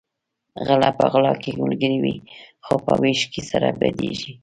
غلۀ په غلا کې ملګري وي خو په وېش کې سره بدیږي